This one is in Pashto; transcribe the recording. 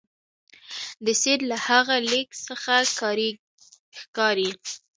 د سید له هغه لیک څخه ښکاري.